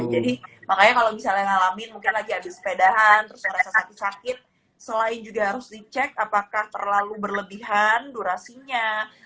jadi makanya kalau misalnya ngalamin mungkin lagi habis sepedahan terus ngerasa sakit selain juga harus dicek apakah terlalu berlebihan durasinya